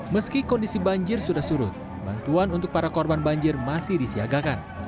meski kondisi banjir sudah surut bantuan untuk para korban banjir masih disiagakan